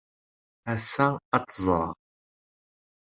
Ass-a, ad tt-ẓreɣ.